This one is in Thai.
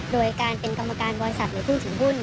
โดยการเป็นกรรมการบริษัทหรือผู้ถือหุ้น